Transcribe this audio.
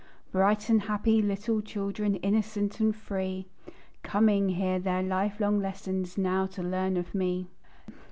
Bright and happy little children, Innocent and free, Coming here their life long lessons Now to learn of me.